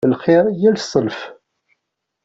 Lxir yal ṣṣenf.